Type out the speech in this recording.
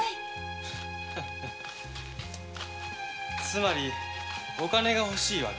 つまりお金が欲しい訳？